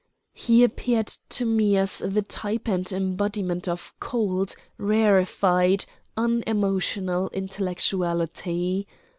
He appeared to me as the type and embodiment of cold, rarefied, unemotional intellectuality.